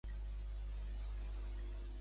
Com servia Francesc I?